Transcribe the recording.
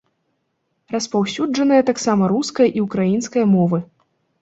Распаўсюджаныя таксама руская і украінская мовы.